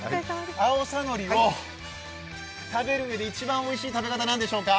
青さのりを食べるうえで、一番おいしい食べ方何でしょうか。